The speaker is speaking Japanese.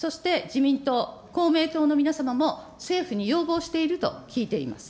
そして、自民党、公明党の皆様も政府に要望していると聞いています。